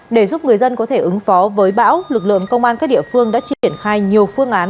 để giúp người dân có thể ứng phó với bão lực lượng công an các địa phương đã triển khai nhiều phương án